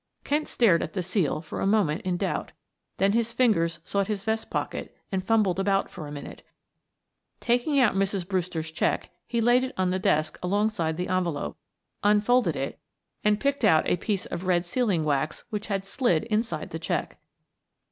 Kent stared at the seal for a moment in doubt, then his fingers sought his vest pocket and fumbled about for a minute. Taking out Mrs. Brewster's check, he laid it on the desk alongside the envelope, unfolded it, and picked out a piece of red sealing wax which had slid inside the check.